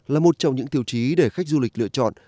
là một trong những tiêu chí để khách du lịch lựa chọn